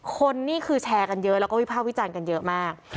คนนี้คือแชวกันเยอะแล้วก็วิภาควิจัลกันเยอะมาก